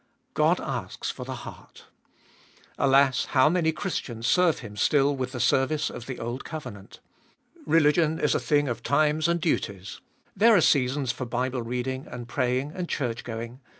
God asks for the heart. Alas, how many Christians serve Him still with the service of the old covenant. Religion is a thing of times and duties. There are seasons for Bible reading and praying and church going.